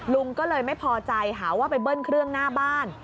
ลุงก็เลยไม่พอใจหาว่าไปเบิ้ลเครื่องหน้าบ้าน